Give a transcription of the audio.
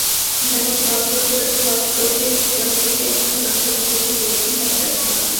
যেন সপ্রতিভ চরিত্রটির মোশন আছে কিন্তু কোনো ডিরেকশন দেখা যাচ্ছিল না।